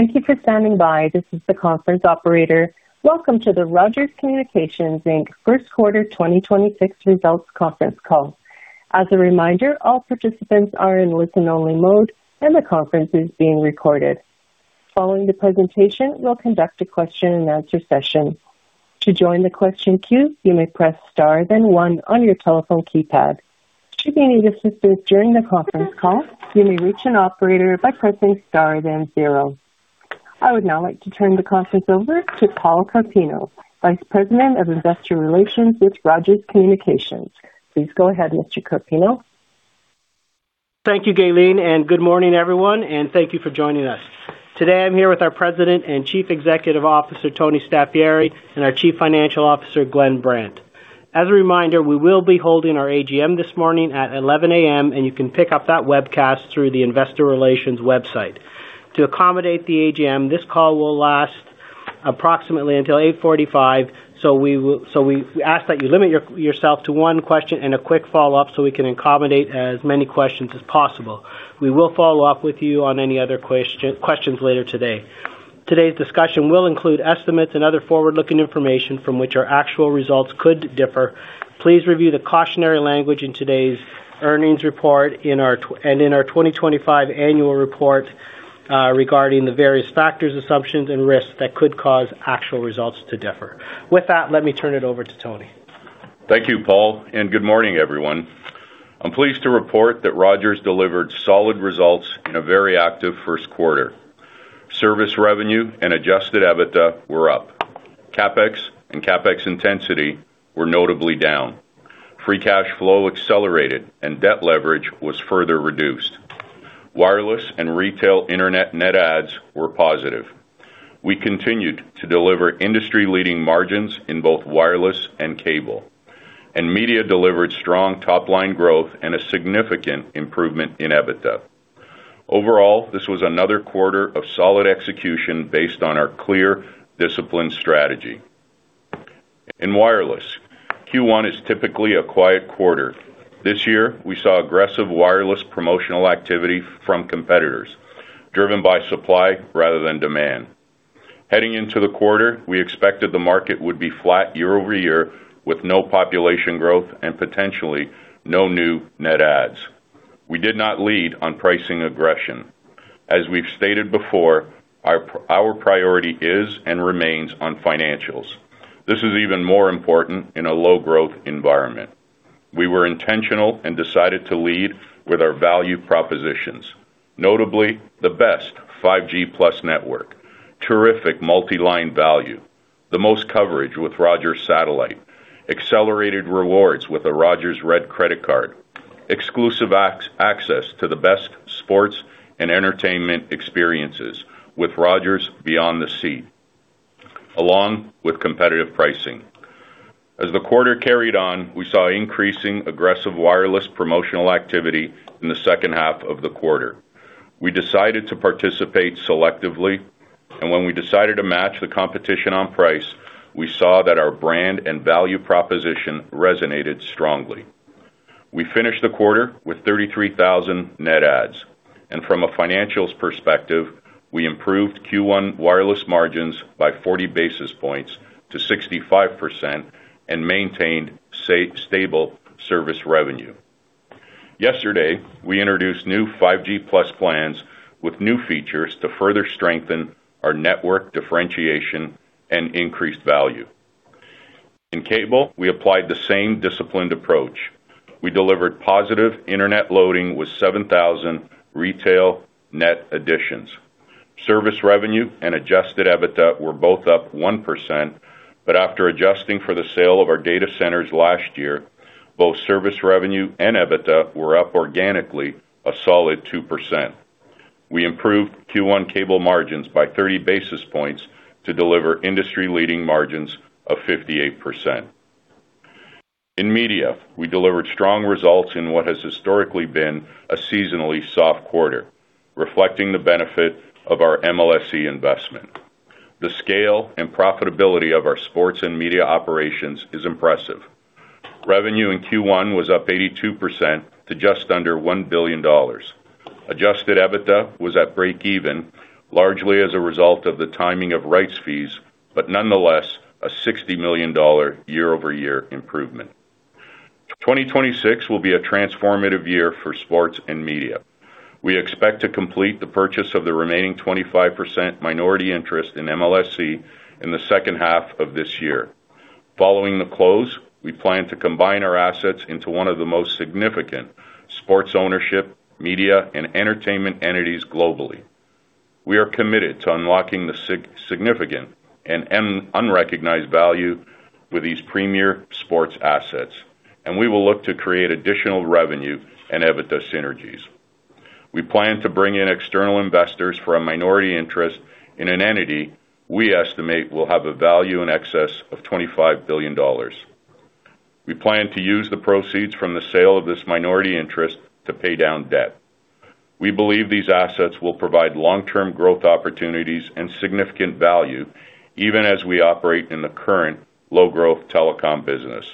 Thank you for standing by. This is the conference operator. Welcome to the Rogers Communications Inc. first quarter 2026 results conference call. As a reminder, all participants are in listen-only mode, and the conference is being recorded. Following the presentation, we'll conduct a question and answer session. To join the question queue, you may press star then one on your telephone keypad. Should you need assistance during the conference call, you may reach an operator by pressing star then zero. I would now like to turn the conference over to Paul Carpino, Vice President of Investor Relations with Rogers Communications. Please go ahead, Mr. Carpino. Thank you, Gaylene, and good morning, everyone, and thank you for joining us. Today I'm here with our President and Chief Executive Officer, Tony Staffieri, and our Chief Financial Officer, Glenn Brandt. As a reminder, we will be holding our AGM this morning at 11:00 A.M., and you can pick up that webcast through the investor relations website. To accommodate the AGM, this call will last approximately until 8:45, so we ask that you limit yourself to one question and a quick follow-up so we can accommodate as many questions as possible. We will follow up with you on any other questions later today. Today's discussion will include estimates and other forward-looking information from which our actual results could differ. Please review the cautionary language in today's earnings report and in our 2025 annual report regarding the various factors, assumptions, and risks that could cause actual results to differ. With that, let me turn it over to Tony. Thank you, Paul, and good morning, everyone. I'm pleased to report that Rogers delivered solid results in a very active first quarter. Service revenue and adjusted EBITDA were up. CapEx and CapEx intensity were notably down. Free cash flow accelerated and debt leverage was further reduced. Wireless and retail internet net adds were positive. We continued to deliver industry-leading margins in both wireless and cable, and media delivered strong top-line growth and a significant improvement in EBITDA. Overall, this was another quarter of solid execution based on our clear discipline strategy. In wireless, Q1 is typically a quiet quarter. This year, we saw aggressive wireless promotional activity from competitors, driven by supply rather than demand. Heading into the quarter, we expected the market would be flat year-over-year with no population growth and potentially no new net adds. We did not lead on pricing aggression. As we've stated before, our priority is and remains on financials. This is even more important in a low-growth environment. We were intentional and decided to lead with our value propositions, notably the best 5G Plus network, terrific multi-line value, the most coverage with Rogers Satellite, accelerated rewards with a Rogers Red Mastercard, exclusive access to the best sports and entertainment experiences with Rogers Beyond the Seat, along with competitive pricing. As the quarter carried on, we saw increasingly aggressive wireless promotional activity in the second half of the quarter. We decided to participate selectively, and when we decided to match the competition on price, we saw that our brand and value proposition resonated strongly. We finished the quarter with 33,000 net adds, and from a financials perspective, we improved Q1 wireless margins by 40 basis points to 65% and maintained stable service revenue. Yesterday, we introduced new 5G Plus plans with new features to further strengthen our network differentiation and increase value. In cable, we applied the same disciplined approach. We delivered positive internet loading with 7,000 retail net additions. Service revenue and adjusted EBITDA were both up 1%, but after adjusting for the sale of our data centers last year, both service revenue and EBITDA were up organically a solid 2%. We improved Q1 cable margins by 30 basis points to deliver industry-leading margins of 58%. In media, we delivered strong results in what has historically been a seasonally soft quarter, reflecting the benefit of our MLSE investment. The scale and profitability of our sports and media operations is impressive. Revenue in Q1 was up 82% to just under 1 billion dollars. Adjusted EBITDA was at break even, largely as a result of the timing of rights fees, but nonetheless, a 60 million dollar year-over-year improvement. 2026 will be a transformative year for sports and media. We expect to complete the purchase of the remaining 25% minority interest in MLSE in the second half of this year. Following the close, we plan to combine our assets into one of the most significant sports ownership, media and entertainment entities globally. We are committed to unlocking the significant and unrecognized value with these premier sports assets, and we will look to create additional revenue and EBITDA synergies. We plan to bring in external investors for a minority interest in an entity we estimate will have a value in excess of 25 billion dollars. We plan to use the proceeds from the sale of this minority interest to pay down debt. We believe these assets will provide long-term growth opportunities and significant value even as we operate in the current low-growth telecom business.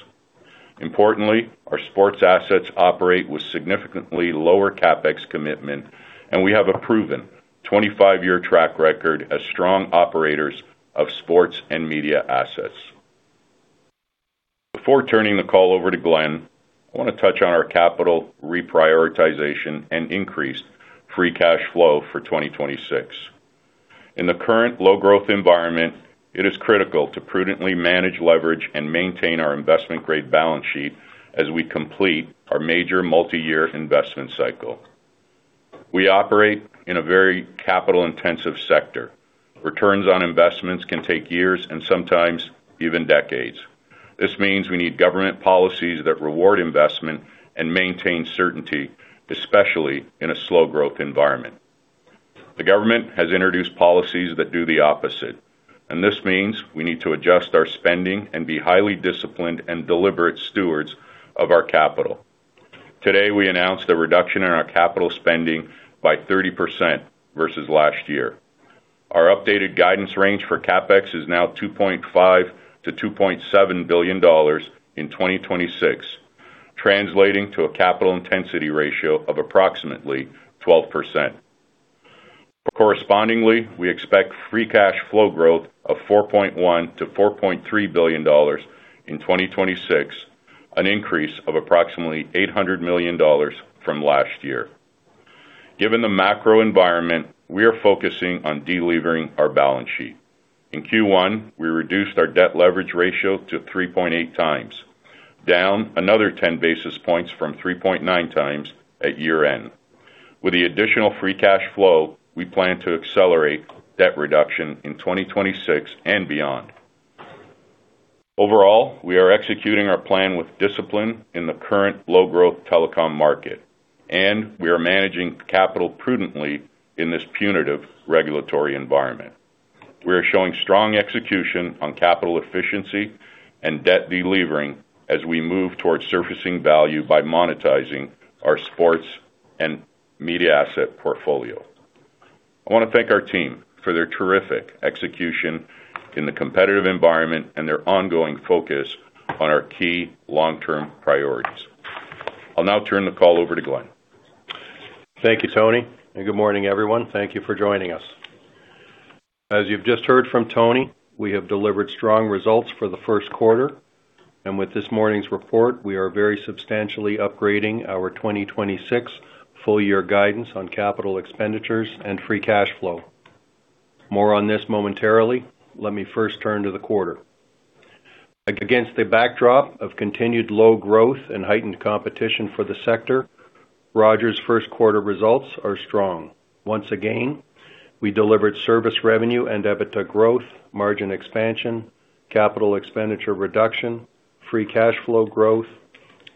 Importantly, our sports assets operate with significantly lower CapEx commitment, and we have a proven 25-year track record as strong operators of sports and media assets. Before turning the call over to Glenn, I want to touch on our capital reprioritization and increased free cash flow for 2026. In the current low growth environment, it is critical to prudently manage leverage and maintain our investment-grade balance sheet as we complete our major multi-year investment cycle. We operate in a very capital-intensive sector. Returns on investments can take years and sometimes even decades. This means we need government policies that reward investment and maintain certainty, especially in a slow growth environment. The government has introduced policies that do the opposite, and this means we need to adjust our spending and be highly disciplined and deliberate stewards of our capital. Today, we announced a reduction in our capital spending by 30% versus last year. Our updated guidance range for CapEx is now 2.5 billion-2.7 billion dollars in 2026, translating to a capital intensity ratio of approximately 12%. Correspondingly, we expect free cash flow growth of 4.1 billion-4.3 billion dollars in 2026, an increase of approximately 800 million dollars from last year. Given the macro environment, we are focusing on delevering our balance sheet. In Q1, we reduced our debt leverage ratio to 3.8x, down another 10 basis points from 3.9x at year-end. With the additional free cash flow, we plan to accelerate debt reduction in 2026 and beyond. Overall, we are executing our plan with discipline in the current low growth telecom market, and we are managing capital prudently in this punitive regulatory environment. We are showing strong execution on capital efficiency and debt delevering as we move towards surfacing value by monetizing our sports and media asset portfolio. I want to thank our team for their terrific execution in the competitive environment and their ongoing focus on our key long-term priorities. I'll now turn the call over to Glenn. Thank you, Tony, and good morning, everyone. Thank you for joining us. As you've just heard from Tony, we have delivered strong results for the first quarter. With this morning's report, we are very substantially upgrading our 2026 full year guidance on capital expenditures and free cash flow. More on this momentarily. Let me first turn to the quarter. Against the backdrop of continued low growth and heightened competition for the sector, Rogers' first quarter results are strong. Once again, we delivered service revenue and EBITDA growth, margin expansion, capital expenditure reduction, free cash flow growth,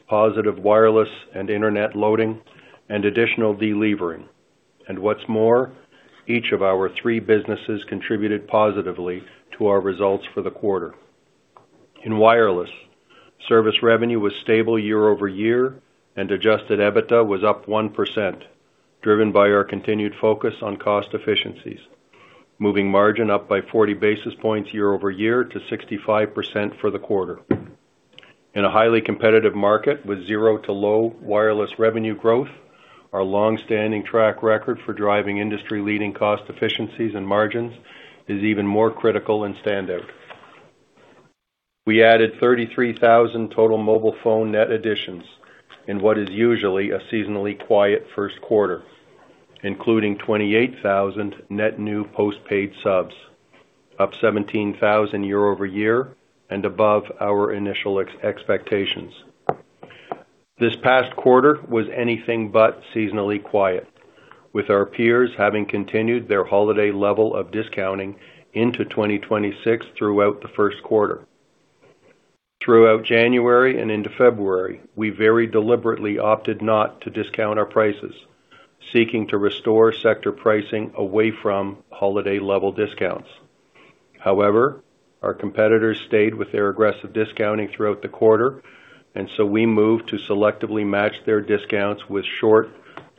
positive wireless and internet loading, and additional delevering. What's more, each of our three businesses contributed positively to our results for the quarter. In wireless, service revenue was stable year-over-year, and adjusted EBITDA was up 1%, driven by our continued focus on cost efficiencies, moving margin up by 40 basis points year-over-year to 65% for the quarter. In a highly competitive market with zero to low wireless revenue growth, our long-standing track record for driving industry-leading cost efficiencies and margins is even more critical and standout. We added 33,000 total mobile phone net additions in what is usually a seasonally quiet first quarter, including 28,000 net new postpaid subs, up 17,000 year-over-year and above our initial expectations. This past quarter was anything but seasonally quiet, with our peers having continued their holiday level of discounting into 2026 throughout the first quarter. Throughout January and into February, we very deliberately opted not to discount our prices, seeking to restore sector pricing away from holiday level discounts. However, our competitors stayed with their aggressive discounting throughout the quarter, and so we moved to selectively match their discounts with short,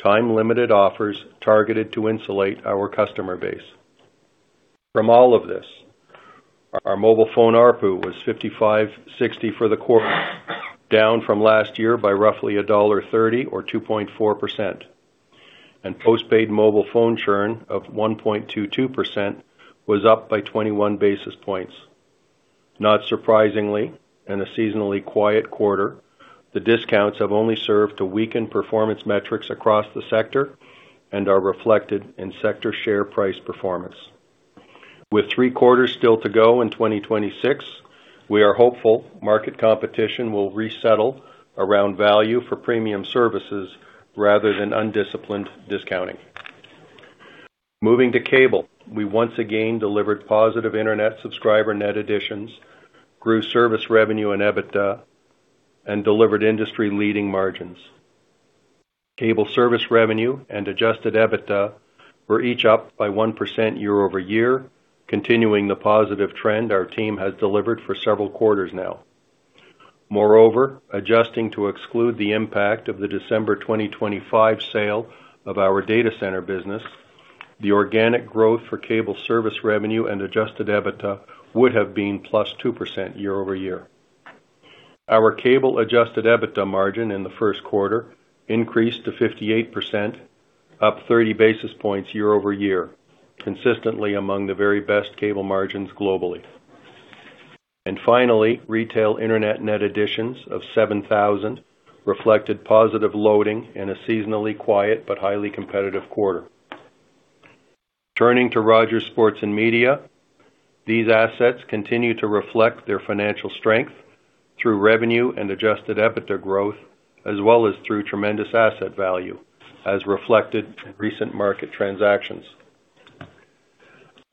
time-limited offers targeted to insulate our customer base. From all of this, our mobile phone ARPU was 55.60 for the quarter, down from last year by roughly dollar 1.30 or 2.4%. Postpaid mobile phone churn of 1.22% was up by 21 basis points. Not surprisingly, in a seasonally quiet quarter, the discounts have only served to weaken performance metrics across the sector and are reflected in sector share price performance. With three quarters still to go in 2026, we are hopeful market competition will resettle around value for premium services rather than undisciplined discounting. Moving to cable, we once again delivered positive internet subscriber net additions, grew service revenue and EBITDA, and delivered industry-leading margins. Cable service revenue and adjusted EBITDA were each up by 1% year-over-year, continuing the positive trend our team has delivered for several quarters now. Moreover, adjusting to exclude the impact of the December 2025 sale of our data center business. The organic growth for cable service revenue and adjusted EBITDA would have been +2% year-over-year. Our cable adjusted EBITDA margin in the first quarter increased to 58%, up 30 basis points year-over-year, consistently among the very best cable margins globally. Finally, retail Internet net additions of 7,000 reflected positive loading in a seasonally quiet but highly competitive quarter. Turning to Rogers Sports & Media, these assets continue to reflect their financial strength through revenue and adjusted EBITDA growth, as well as through tremendous asset value, as reflected in recent market transactions.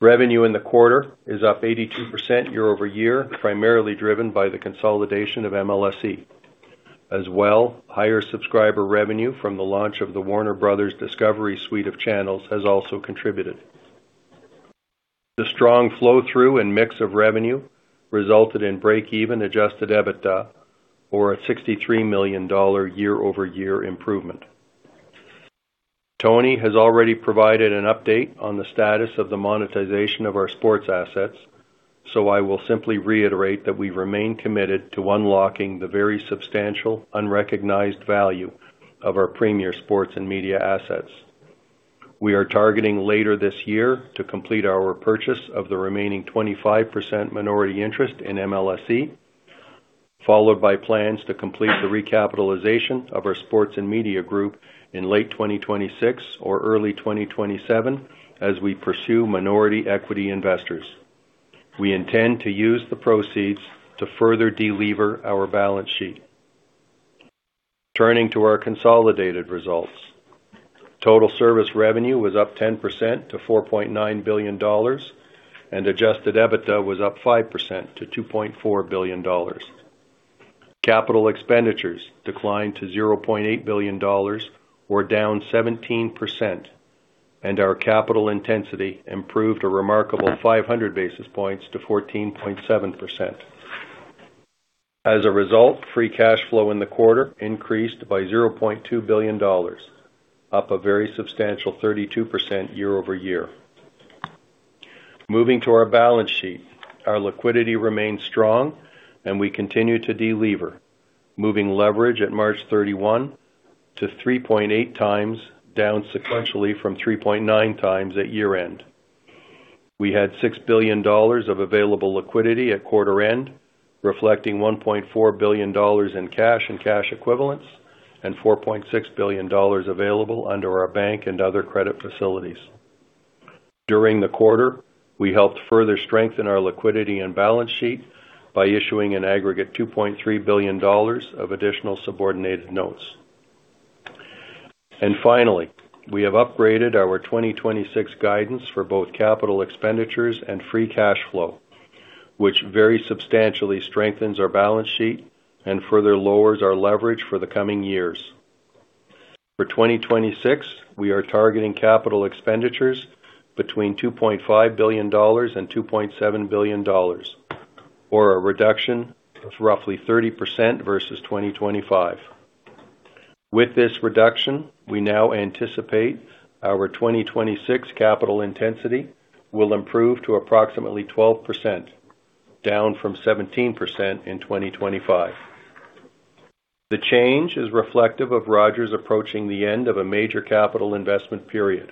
Revenue in the quarter is up 82% year-over-year, primarily driven by the consolidation of MLSE. As well, higher subscriber revenue from the launch of the Warner Bros. Discovery suite of channels has also contributed. The strong flow-through and mix of revenue resulted in breakeven adjusted EBITDA, or a 63 million dollar year-over-year improvement. Tony has already provided an update on the status of the monetization of our sports assets, so I will simply reiterate that we remain committed to unlocking the very substantial unrecognized value of our premier sports and media assets. We are targeting later this year to complete our purchase of the remaining 25% minority interest in MLSE, followed by plans to complete the recapitalization of our sports and media group in late 2026 or early 2027, as we pursue minority equity investors. We intend to use the proceeds to further delever our balance sheet. Turning to our consolidated results. Total service revenue was up 10% to 4.9 billion dollars, and adjusted EBITDA was up 5% to 2.4 billion dollars. Capital expenditures declined to 0.8 billion dollars, or down 17%, and our capital intensity improved a remarkable 500 basis points to 14.7%. As a result, free cash flow in the quarter increased by 0.2 billion dollars, up a very substantial 32% year-over-year. Moving to our balance sheet, our liquidity remains strong and we continue to delever, moving leverage at March 31 to 3.8x, down sequentially from 3.9x at year end. We had 6 billion dollars of available liquidity at quarter end, reflecting 1.4 billion dollars in cash and cash equivalents, and 4.6 billion dollars available under our bank and other credit facilities. During the quarter, we helped further strengthen our liquidity and balance sheet by issuing an aggregate 2.3 billion dollars of additional subordinated notes. Finally, we have upgraded our 2026 guidance for both capital expenditures and free cash flow, which very substantially strengthens our balance sheet and further lowers our leverage for the coming years. For 2026, we are targeting capital expenditures between 2.5 billion dollars and 2.7 billion dollars, or a reduction of roughly 30% versus 2025. With this reduction, we now anticipate our 2026 capital intensity will improve to approximately 12%, down from 17% in 2025. The change is reflective of Rogers approaching the end of a major capital investment period.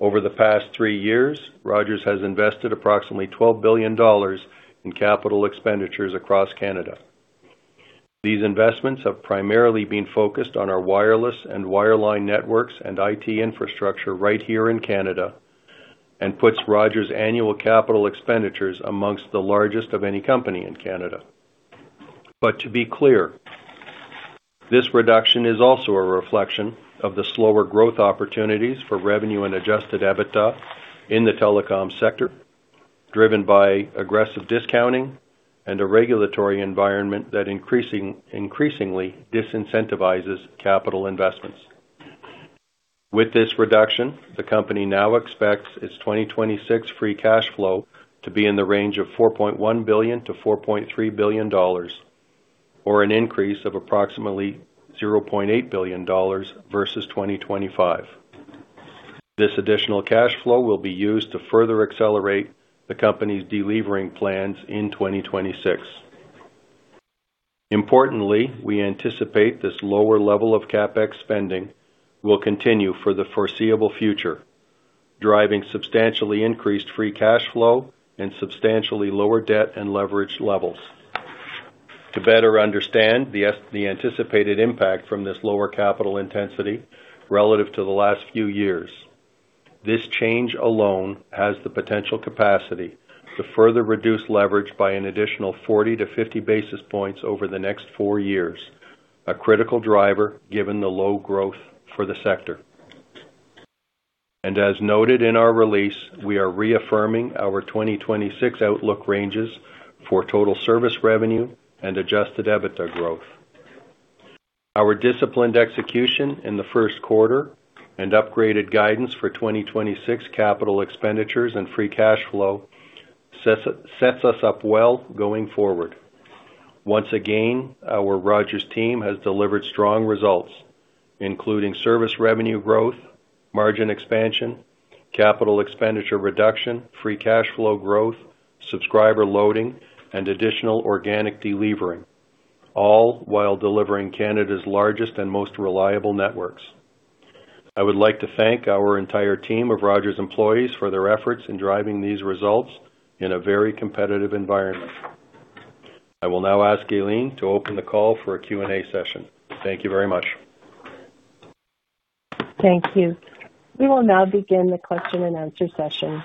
Over the past three years, Rogers has invested approximately 12 billion dollars in capital expenditures across Canada. These investments have primarily been focused on our wireless and wireline networks and IT infrastructure right here in Canada, and puts Rogers' annual capital expenditures among the largest of any company in Canada. To be clear, this reduction is also a reflection of the slower growth opportunities for revenue and adjusted EBITDA in the telecom sector, driven by aggressive discounting and a regulatory environment that increasingly disincentivizes capital investments. With this reduction, the company now expects its 2026 free cash flow to be in the range of 4.1 billion-4.3 billion dollars, or an increase of approximately 0.8 billion dollars versus 2025. This additional cash flow will be used to further accelerate the company's delevering plans in 2026. Importantly, we anticipate this lower level of CapEx spending will continue for the foreseeable future, driving substantially increased free cash flow and substantially lower debt and leverage levels. To better understand the anticipated impact from this lower capital intensity relative to the last few years, this change alone has the potential capacity to further reduce leverage by an additional 40 basis points to 50 basis points over the next four years, a critical driver given the low growth for the sector. As noted in our release, we are reaffirming our 2026 outlook ranges for total service revenue and adjusted EBITDA growth. Our disciplined execution in the first quarter and upgraded guidance for 2026 capital expenditures and free cash flow sets us up well going forward. Once again, our Rogers team has delivered strong results, including service revenue growth, margin expansion, capital expenditure reduction, free cash flow growth, subscriber loading and additional organic delevering, all while delivering Canada's largest and most reliable networks. I would like to thank our entire team of Rogers employees for their efforts in driving these results in a very competitive environment. I will now ask Gaylene to open the call for a Q&A session. Thank you very much. Thank you. We will now begin the question and answer session.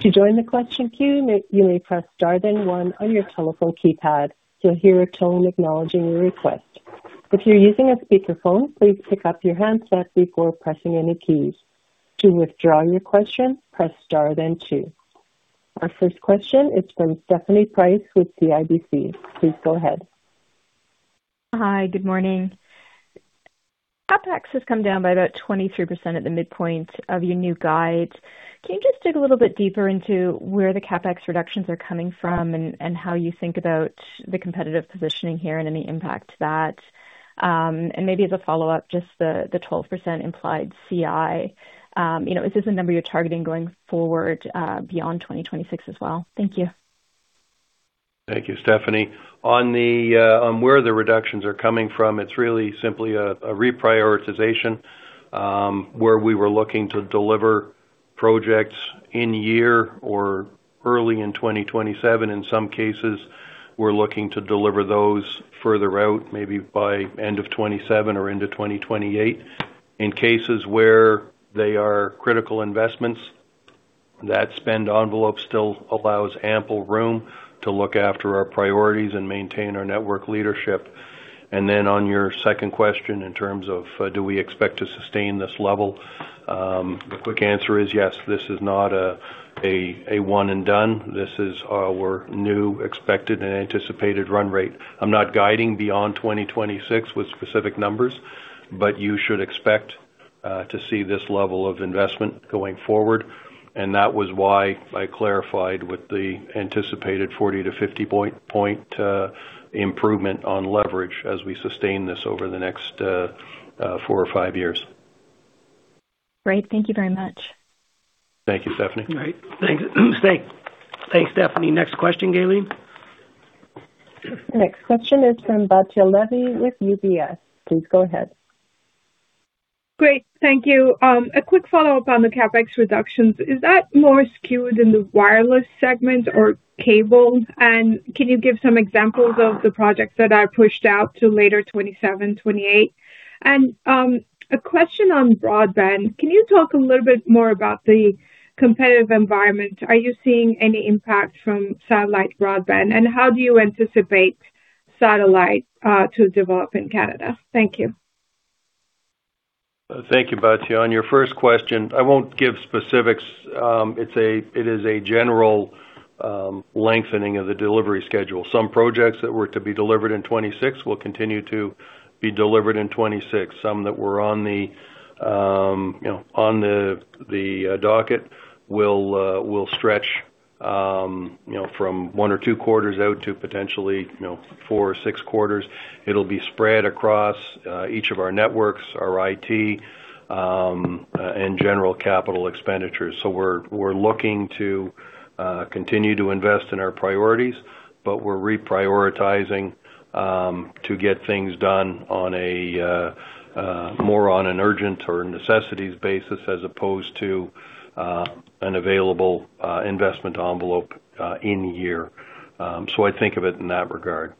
To join the question queue, you may press star then one on your telephone keypad. You'll hear a tone acknowledging your request. If you're using a speakerphone, please pick up your handset before pressing any keys. To withdraw your question, press star then two. Our first question is from Stephanie Price with CIBC. Please go ahead. Hi. Good morning. CapEx has come down by about 23% at the midpoint of your new guide. Can you just dig a little bit deeper into where the CapEx reductions are coming from and how you think about the competitive positioning here and any impact to that? Maybe as a follow-up, just the 12% implied CI. Is this a number you're targeting going forward beyond 2026 as well? Thank you. Thank you, Stephanie. On where the reductions are coming from, it's really simply a reprioritization, where we were looking to deliver projects in year or early in 2027. In some cases, we're looking to deliver those further out, maybe by end of 2027 or into 2028. In cases where they are critical investments, that spend envelope still allows ample room to look after our priorities and maintain our network leadership. On your second question, in terms of do we expect to sustain this level? The quick answer is yes. This is not a one and done. This is our new expected and anticipated run rate. I'm not guiding beyond 2026 with specific numbers, but you should expect to see this level of investment going forward. That was why I clarified with the anticipated 40 point-50 point improvement on leverage as we sustain this over the next four or five years. Great. Thank you very much. Thank you, Stephanie. Great. Thanks, Stephanie. Next question, Gaylene. Next question is from Batya Levi with UBS. Please go ahead. Great. Thank you. A quick follow-up on the CapEx reductions, is that more skewed in the wireless segment or cable? Can you give some examples of the projects that are pushed out to later 2027, 2028? A question on broadband, can you talk a little bit more about the competitive environment? Are you seeing any impact from satellite broadband, and how do you anticipate satellite to develop in Canada? Thank you. Thank you, Batya. On your first question, I won't give specifics. It is a general lengthening of the delivery schedule. Some projects that were to be delivered in 2026 will continue to be delivered in 2026. Some that were on the docket will stretch from one or two quarters out to potentially four or six quarters. It'll be spread across each of our networks, our IT, and general capital expenditures. We're looking to continue to invest in our priorities, but we're reprioritizing to get things done more on an urgent or necessities basis as opposed to an available investment envelope in year. I think of it in that regard.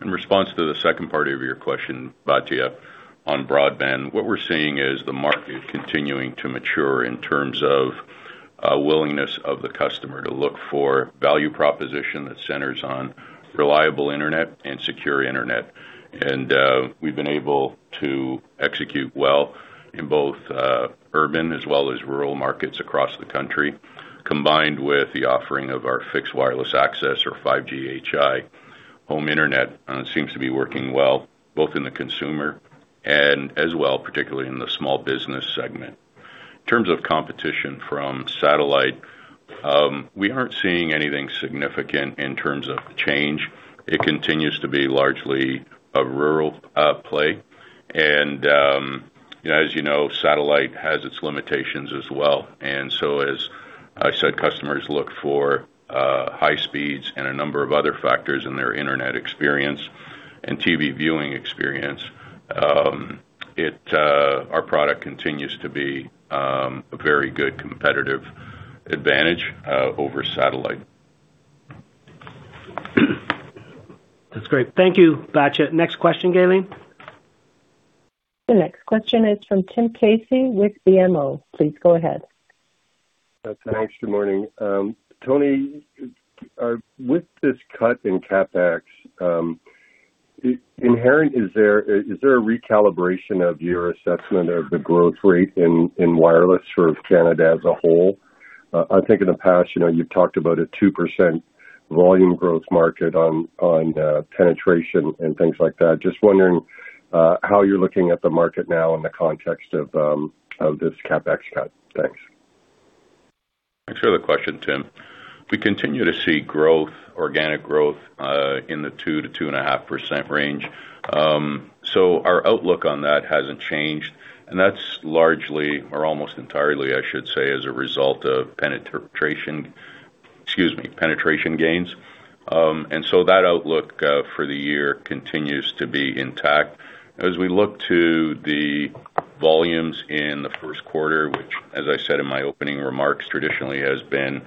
In response to the second part of your question, Batya, on broadband, what we're seeing is the market continuing to mature in terms of a willingness of the customer to look for value proposition that centers on reliable internet and secure internet. We've been able to execute well in both urban as well as rural markets across the country, combined with the offering of our Fixed Wireless Access or 5G Home Internet seems to be working well, both in the consumer and as well, particularly in the small business segment. In terms of competition from satellite, we aren't seeing anything significant in terms of change. It continues to be largely a rural play. As you know, satellite has its limitations as well. As I said, customers look for high speeds and a number of other factors in their internet experience and TV viewing experience. Our product continues to be a very good competitive advantage over satellite. That's great. Thank you, Batya. Next question, Gaylene. The next question is from Tim Casey with BMO. Please go ahead. Thanks. Good morning. Tony, with this cut in CapEx, is there a recalibration of your assessment of the growth rate in wireless for Canada as a whole? I think in the past you've talked about a 2% volume growth market on penetration and things like that. Just wondering how you're looking at the market now in the context of this CapEx cut. Thanks. Thanks for the question, Tim. We continue to see organic growth in the 2%-2.5% range. Our outlook on that hasn't changed. That's largely, or almost entirely, I should say, as a result of penetration gains. That outlook for the year continues to be intact. As we look to the volumes in the first quarter, which, as I said in my opening remarks, traditionally has been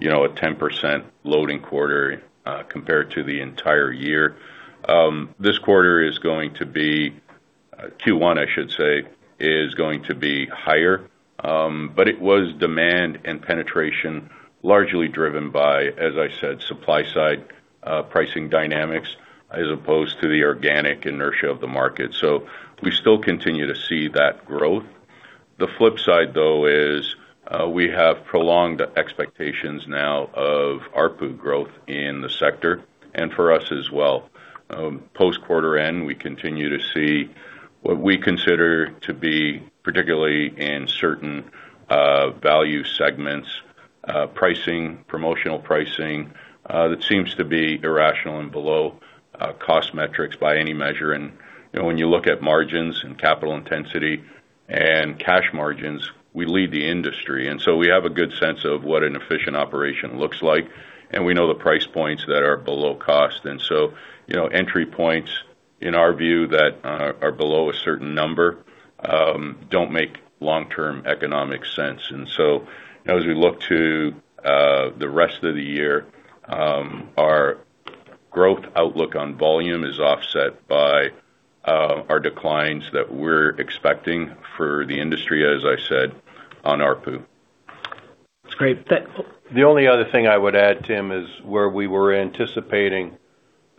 a 10% loading quarter compared to the entire year. This quarter, Q1, I should say, is going to be higher. It's demand and penetration, largely driven by, as I said, supply side pricing dynamics as opposed to the organic inertia of the market. We still continue to see that growth. The flip side, though, is we have prolonged expectations now of ARPU growth in the sector and for us as well. Post quarter end, we continue to see what we consider to be, particularly in certain value segments, promotional pricing that seems to be irrational and below cost metrics by any measure. When you look at margins and capital intensity and cash margins, we lead the industry. We have a good sense of what an efficient operation looks like, and we know the price points that are below cost. Entry points, in our view, that are below a certain number don't make long-term economic sense. As we look to the rest of the year, our growth outlook on volume is offset by our declines that we're expecting for the industry, as I said, on ARPU. That's great. The only other thing I would add, Tim, is where we were anticipating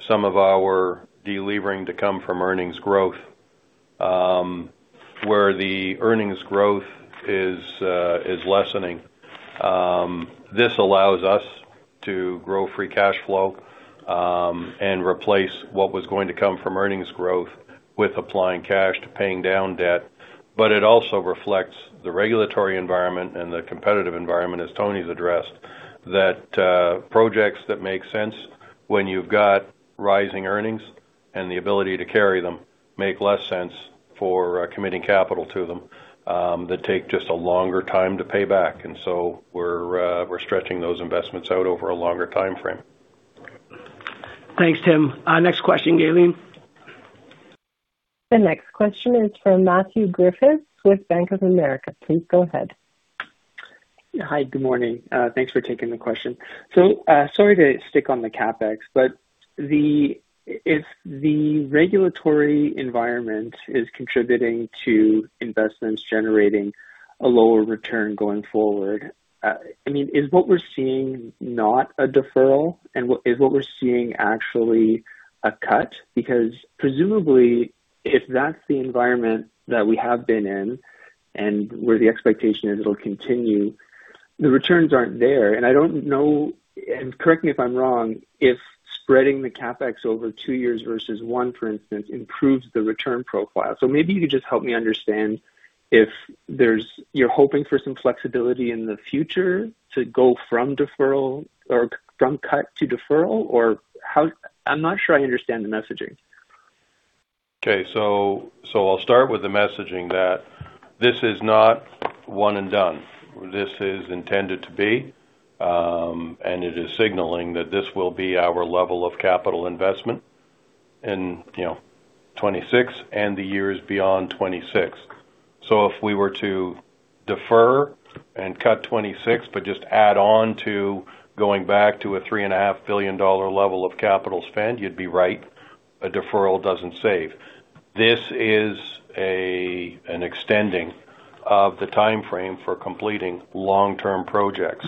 some of our de-levering to come from earnings growth, where the earnings growth is lessening. This allows us to grow free cash flow and replace what was going to come from earnings growth with applying cash to paying down debt. It also reflects the regulatory environment and the competitive environment, as Tony's addressed, that projects that make sense when you've got rising earnings and the ability to carry them, make less sense for committing capital to them, that take just a longer time to pay back. We're stretching those investments out over a longer timeframe. Thanks, Tim. Next question, Gaylene. The next question is from Matthew Griffiths with Bank of America. Please go ahead. Hi. Good morning. Thanks for taking the question. Sorry to stick on the CapEx, but if the regulatory environment is contributing to investments generating a lower return going forward, is what we're seeing not a deferral? Is what we're seeing actually a cut? Because presumably, if that's the environment that we have been in and where the expectation is it'll continue, the returns aren't there. I don't know, and correct me if I'm wrong, if spreading the CapEx over two years versus one, for instance, improves the return profile. Maybe you could just help me understand if you're hoping for some flexibility in the future to go from cut to deferral? I'm not sure I understand the messaging. Okay. I'll start with the messaging that this is not one and done. This is intended to be, and it is signaling that this will be our level of capital investment in 2026 and the years beyond 2026. If we were to defer and cut 2026, but just add on to going back to a 3.5 billion dollar level of capital spend, you'd be right. A deferral doesn't save. This is an extension of the timeframe for completing long-term projects.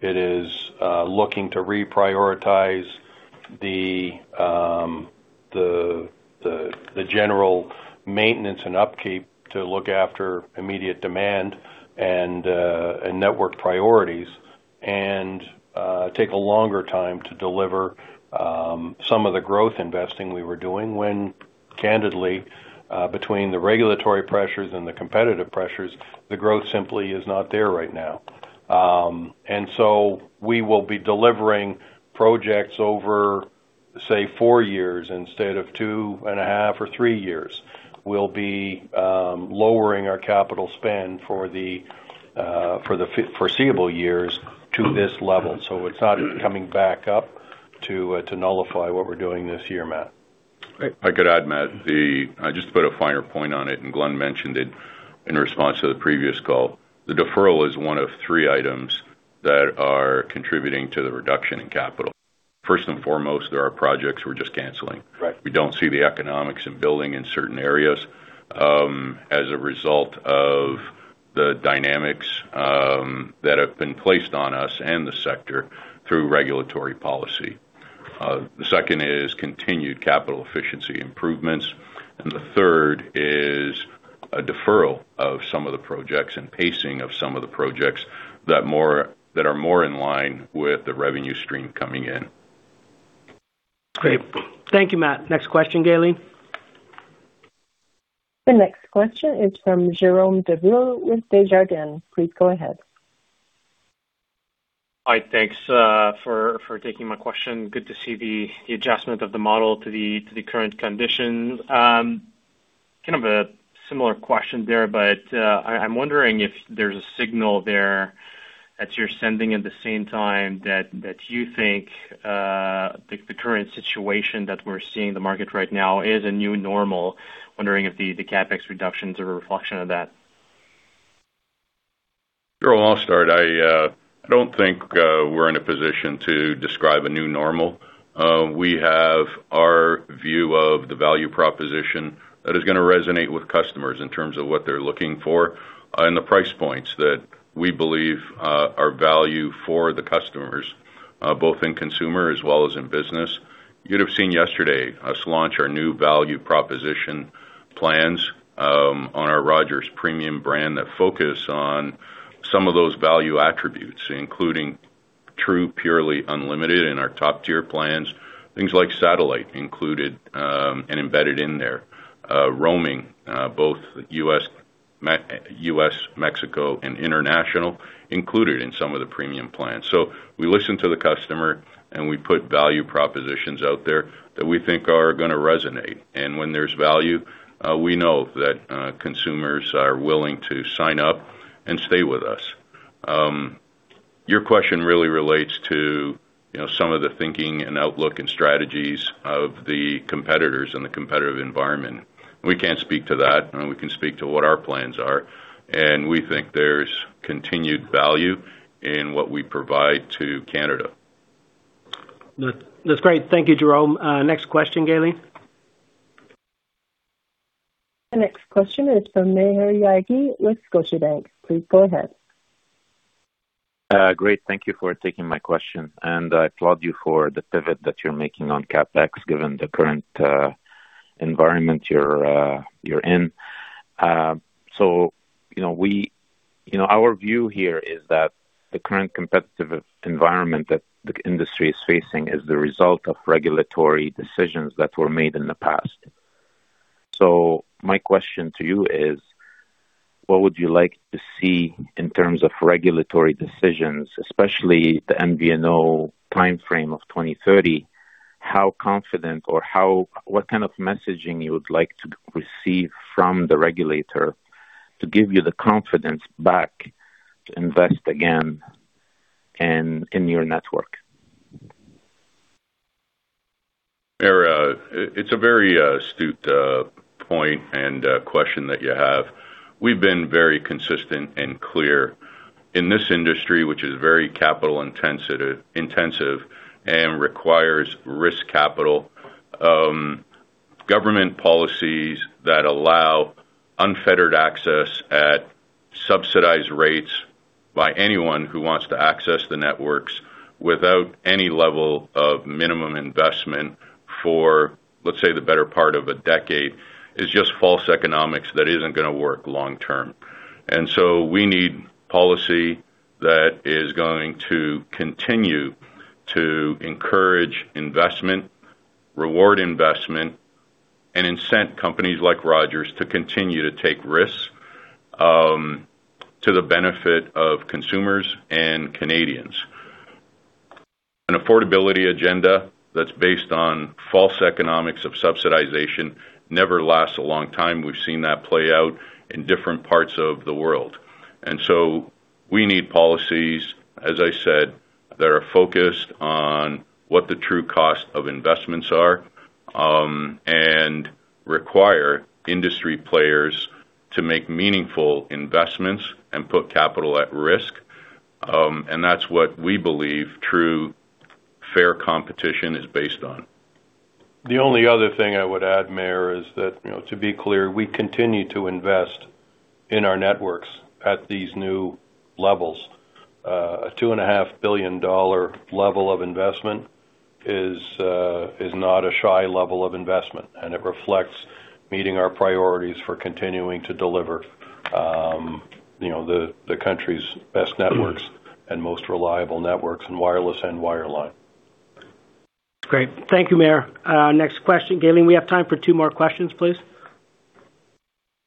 It is looking to reprioritize the general maintenance and upkeep to look after immediate demand and network priorities, and take a longer time to deliver some of the growth investing we were doing when, candidly, between the regulatory pressures and the competitive pressures, the growth simply is not there right now. We will be delivering projects over, say, 4 years instead of 2.5 or 3 years. We'll be lowering our capital spend for the foreseeable years to this level. It's not coming back up to nullify what we're doing this year, Matt. If I could add, Matt, I just put a finer point on it, and Glenn mentioned it in response to the previous call. The deferral is one of three items that are contributing to the reduction in capital. First and foremost, there are projects we're just canceling. Right. We don't see the economics in building in certain areas as a result of the dynamics that have been placed on us and the sector through regulatory policy. The second is continued capital efficiency improvements, and the third is a deferral of some of the projects and pacing of some of the projects that are more in line with the revenue stream coming in. Great. Thank you, Matt. Next question, Gaylene. The next question is from Jerome Dubreuil with Desjardins. Please go ahead. Hi. Thanks for taking my question. Good to see the adjustment of the model to the current conditions. Kind of a similar question there, but I'm wondering if there's a signal there that you're sending at the same time that you think the current situation that we're seeing in the market right now is a new normal. Wondering if the CapEx reductions are a reflection of that? Jerome, I'll start. I don't think we're in a position to describe a new normal. We have our view of the value proposition that is going to resonate with customers in terms of what they're looking for and the price points that we believe are value for the customers, both in consumer as well as in business. You'd have seen yesterday us launch our new value proposition plans on our Rogers premium brand that focus on some of those value attributes, including true, purely unlimited in our top-tier plans. Things like satellite included and embedded in there. Roaming both U.S.-Mexico and international included in some of the premium plans. We listen to the customer, and we put value propositions out there that we think are going to resonate. When there's value, we know that consumers are willing to sign up and stay with us. Your question really relates to some of the thinking and outlook and strategies of the competitors and the competitive environment. We can't speak to that. We can speak to what our plans are, and we think there's continued value in what we provide to Canada. That's great. Thank you, Jerome. Next question, Gaylene. The next question is from Maher Yaghi with Scotiabank. Please go ahead. Great. Thank you for taking my question, and I applaud you for the pivot that you're making on CapEx, given the current environment you're in. Our view here is that the current competitive environment that the industry is facing is the result of regulatory decisions that were made in the past. My question to you is, what would you like to see in terms of regulatory decisions, especially the MVNO timeframe of 2030? How confident or what kind of messaging you would like to receive from the regulator to give you the confidence back to invest again in your network? Maher, it's a very astute point and question that you have. We've been very consistent and clear in this industry, which is very capital intensive and requires risk capital. Government policies that allow unfettered access at subsidized rates by anyone who wants to access the networks without any level of minimum investment for, let's say, the better part of a decade, is just false economics that isn't going to work long term. We need policy that is going to continue to encourage investment, reward investment, and incent companies like Rogers to continue to take risks, to the benefit of consumers and Canadians. An affordability agenda that's based on false economics of subsidization never lasts a long time. We've seen that play out in different parts of the world. We need policies, as I said, that are focused on what the true cost of investments are and require industry players to make meaningful investments and put capital at risk. That's what we believe true fair competition is based on. The only other thing I would add, Maher, is that to be clear, we continue to invest in our networks at these new levels. A 2.5 billion dollar level of investment is not a shy level of investment, and it reflects meeting our priorities for continuing to deliver the country's best networks and most reliable networks in wireless and wireline. Great. Thank you, Maher. Next question. Gaylene, we have time for two more questions, please.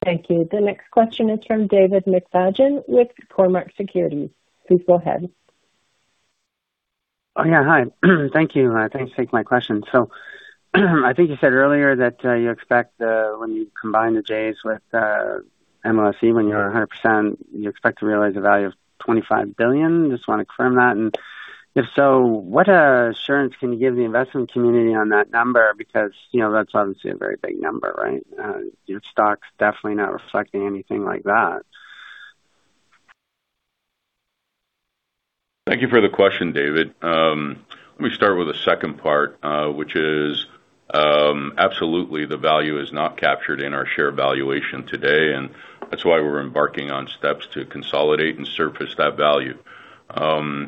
Thank you. The next question is from David McFadgen with Cormark Securities. Please go ahead. Yeah. Hi. Thank you. Thanks for taking my question. I think you said earlier that you expect when you combine the Jays with MLSE, when you're 100%, you expect to realize a value of 25 billion. Just want to confirm that. If so, what assurance can you give the investment community on that number? Because that's obviously a very big number, right? Your stock's definitely not reflecting anything like that. Thank you for the question, David. Let me start with the second part, which is, absolutely the value is not captured in our share valuation today, and that's why we're embarking on steps to consolidate and surface that value.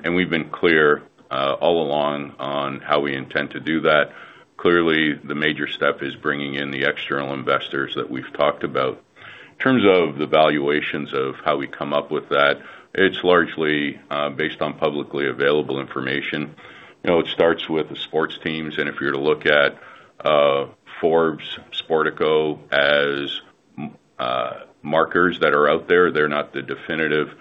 We've been clear all along on how we intend to do that. Clearly, the major step is bringing in the external investors that we've talked about. In terms of the valuations of how we come up with that, it's largely based on publicly available information. It starts with the sports teams, and if you're to look at Forbes, Sportico as markers that are out there, they're not the definitive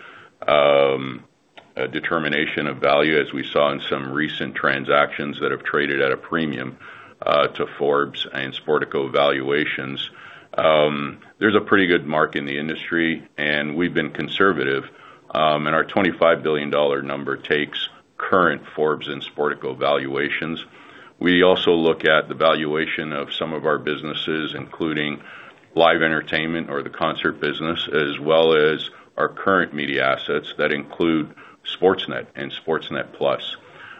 determination of value as we saw in some recent transactions that have traded at a premium to Forbes and Sportico valuations. There's a pretty good mark in the industry, and we've been conservative. Our 25 billion dollar number takes current Forbes and Sportico valuations. We also look at the valuation of some of our businesses, including live entertainment or the concert business, as well as our current media assets that include Sportsnet and Sportsnet+.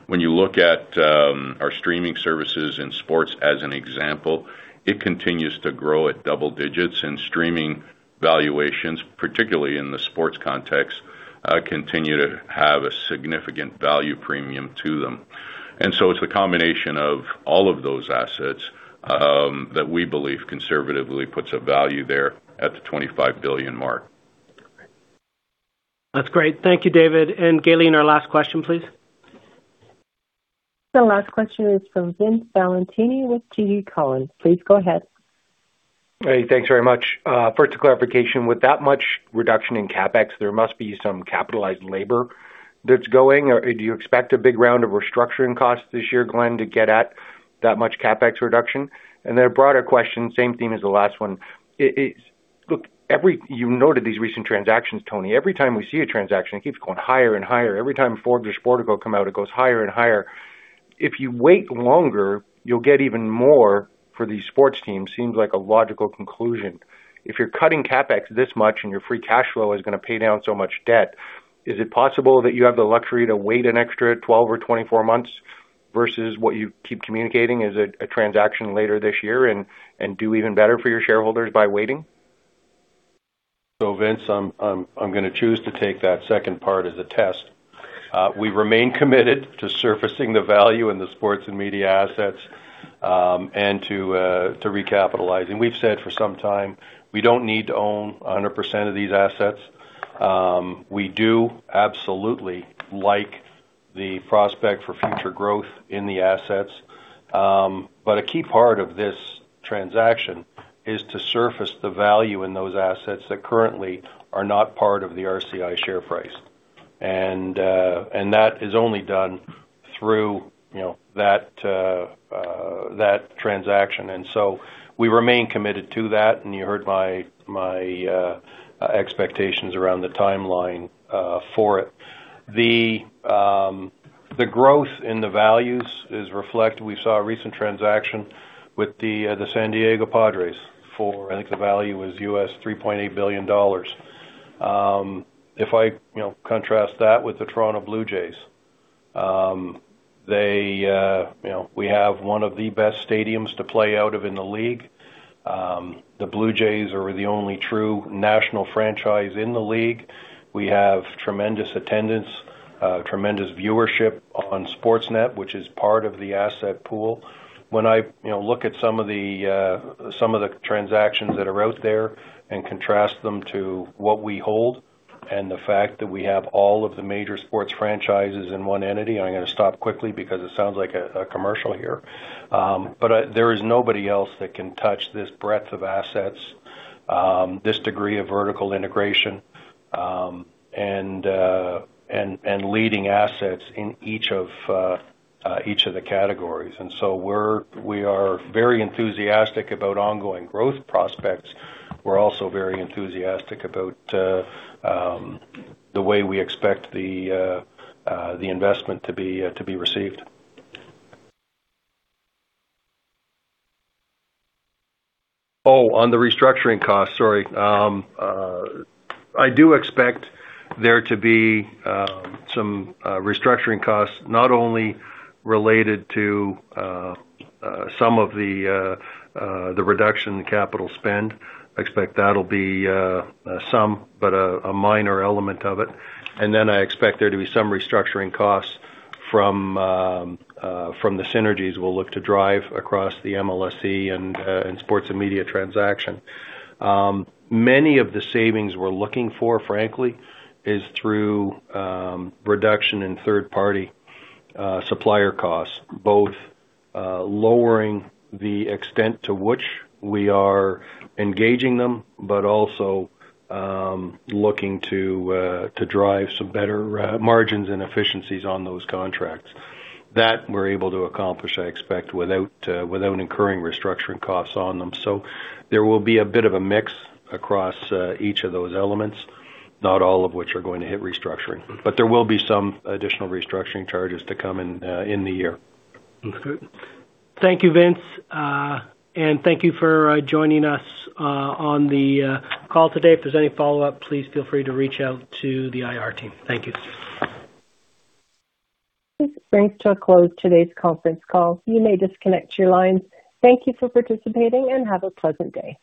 When you look at our streaming services in sports, as an example, it continues to grow at double digits. Streaming valuations, particularly in the sports context, continue to have a significant value premium to them. It's a combination of all of those assets that we believe conservatively puts a value there at 25 billion. That's great. Thank you, David. Gaylene, our last question, please. The last question is from Vince Valentini with TD Cowen. Please go ahead. Hey. Thanks very much. First, a clarification. With that much reduction in CapEx, there must be some capitalized labor that's going. Or do you expect a big round of restructuring costs this year, Glenn, to get at that much CapEx reduction? A broader question, same theme as the last one. You noted these recent transactions, Tony. Every time we see a transaction, it keeps going higher and higher. Every time Forbes or Sportico come out, it goes higher and higher. If you wait longer, you'll get even more for these sports teams. It seems like a logical conclusion. If you're cutting CapEx this much and your free cash flow is going to pay down so much debt, is it possible that you have the luxury to wait an extra 12 months or 24 months versus what you keep communicating as a transaction later this year and do even better for your shareholders by waiting? Vince, I'm going to choose to take that second part as a test. We remain committed to surfacing the value in the sports and media assets and to recapitalize. We've said for some time, we don't need to own 100% of these assets. We do absolutely like the prospect for future growth in the assets. A key part of this transaction is to surface the value in those assets that currently are not part of the RCI share price. That is only done through that transaction. We remain committed to that, and you heard my expectations around the timeline for it. The growth in the values is reflected. We saw a recent transaction with the San Diego Padres for, I think the value was $3.8 billion. If I contrast that with the Toronto Blue Jays, we have one of the best stadiums to play out of in the league. The Blue Jays are the only true national franchise in the league. We have tremendous attendance, tremendous viewership on Sportsnet, which is part of the asset pool. When I look at some of the transactions that are out there and contrast them to what we hold and the fact that we have all of the major sports franchises in one entity, I'm going to stop quickly because it sounds like a commercial here. But there is nobody else that can touch this breadth of assets, this degree of vertical integration, and leading assets in each of the categories. We are very enthusiastic about ongoing growth prospects. We're also very enthusiastic about the way we expect the investment to be received. Oh, on the restructuring cost, sorry. I do expect there to be some restructuring costs, not only related to some of the reduction in capital spend. I expect that'll be some, but a minor element of it. I expect there to be some restructuring costs from the synergies we'll look to drive across the MLSE and sports and media transaction. Many of the savings we're looking for, frankly, is through reduction in third-party supplier costs, both lowering the extent to which we are engaging them, but also looking to drive some better margins and efficiencies on those contracts. That we're able to accomplish, I expect, without incurring restructuring costs on them. There will be a bit of a mix across each of those elements, not all of which are going to hit restructuring. There will be some additional restructuring charges to come in the year. Thank you, Vince. Thank you for joining us on the call today. If there's any follow-up, please feel free to reach out to the IR team. Thank you. This brings to a close today's conference call. You may disconnect your lines. Thank you for participating, and have a pleasant day.